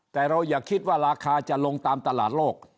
แต่เราอย่าคิดว่าราคาจะลงตามตลาดโลก